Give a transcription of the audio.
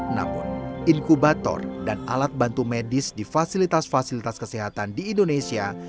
namun inkubator dan alat bantu medis di fasilitas fasilitas kesehatan di indonesia